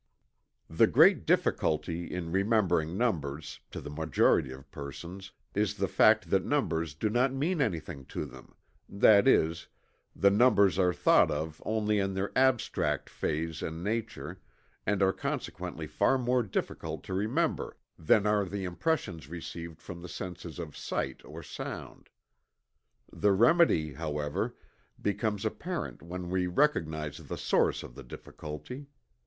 The great difficulty in remembering numbers, to the majority of persons, is the fact that numbers "do not mean anything to them" that is, that numbers are thought of only in their abstract phase and nature, and are consequently far more difficult to remember than are impressions received from the senses of sight or sound. The remedy, however, becomes apparent when we recognize the source of the difficulty.